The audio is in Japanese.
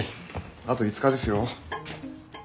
あと５日ですよ。